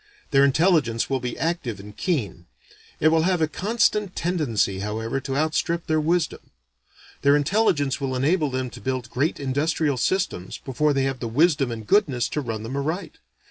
Their intelligence will be active and keen. It will have a constant tendency however to outstrip their wisdom. Their intelligence will enable them to build great industrial systems before they have the wisdom and goodness to run them aright.